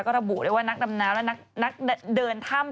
ก็ระบุด้วยว่านักดำน้ำและนักเดินถ้ำ